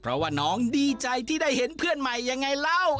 เพราะว่าน้องดีใจที่ได้เห็นเพื่อนใหม่ยังไงเล่า